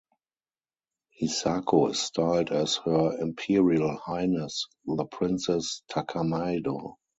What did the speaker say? Hisako is styled as "Her Imperial Highness" The Princess Takamado.